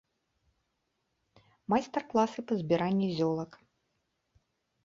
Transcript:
Майстар-класы па збіранні зёлак.